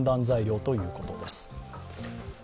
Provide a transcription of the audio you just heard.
材料ということです。